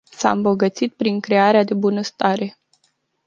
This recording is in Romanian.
S-a îmbogățit prin crearea de bunăstare.